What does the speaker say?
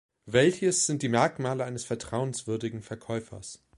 Welches sind die Merkmale eines vertrauenswürdigen Verkäufers?